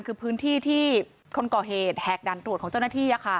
คือพื้นที่ที่คนก่อเหตุแหกด่านตรวจของเจ้าหน้าที่